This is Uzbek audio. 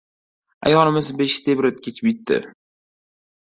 Ayolimiz beshiktebratgich bitdi: